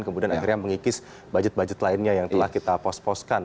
kemudian akhirnya mengikis budget budget lainnya yang telah kita pos poskan